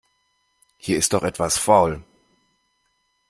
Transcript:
Hier ist doch etwas faul.